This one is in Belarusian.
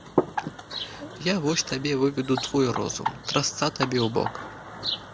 Я вось табе выведу твой розум, трасца табе ў бок!